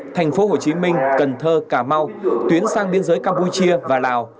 thành phố hồ chí minh cần thơ cà mau tuyến sang biên giới campuchia và lào